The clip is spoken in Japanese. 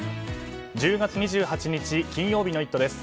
１０月２８日、金曜日の「イット！」です。